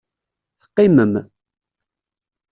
Teqqimem.